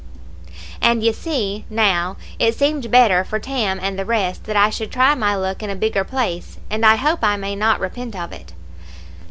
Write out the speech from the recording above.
And ye see, now, it seemed better for Tam and the rest that I should try my luck in a bigger place, and I hope I may not repent of it.